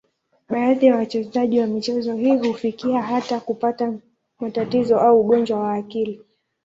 Baadhi ya wachezaji wa michezo hii hufikia hata kupata matatizo au ugonjwa wa akili.